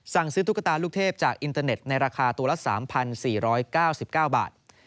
สั่งซื้อตุ๊กตาลูกเทพจากอินเตอร์เน็ตในราคาตัวละ๓๔๙๙บาท